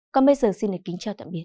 còn bây giờ xin lời kính chào tạm biệt